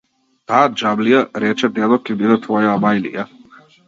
Таа џамлија, рече дедо, ќе биде твоја амајлија.